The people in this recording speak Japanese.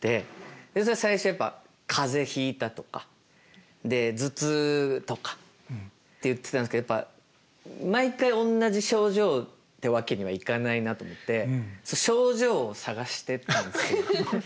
それは最初やっぱ「風邪ひいた」とか「頭痛」とかって言ってたんですけどやっぱ毎回同じ症状ってわけにはいかないなと思って症状を探してったんですよ。